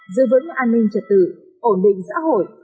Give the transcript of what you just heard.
giữ vững an ninh trật tự ổn định xã hội